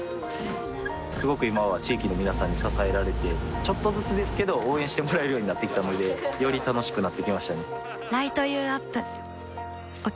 すごく今は地域の皆さんに支えられてちょっとずつですけど応援してもらえるようになってきたのでより楽しくなってきましたね